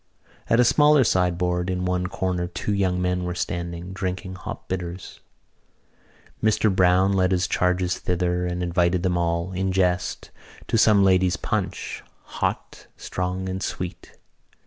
At a smaller sideboard in one corner two young men were standing, drinking hop bitters. Mr Browne led his charges thither and invited them all, in jest, to some ladies' punch, hot, strong and sweet.